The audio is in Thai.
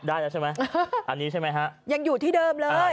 ได้แล้วใช่ไหมอันนี้ใช่ไหมฮะยังอยู่ที่เดิมเลย